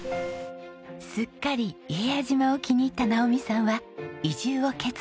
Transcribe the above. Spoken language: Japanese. すっかり伊平屋島を気に入った直己さんは移住を決意。